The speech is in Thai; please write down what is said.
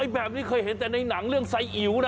แบบนี้เคยเห็นแต่ในหนังเรื่องไซอิ๋วนะ